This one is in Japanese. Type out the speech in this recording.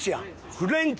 フレンチ！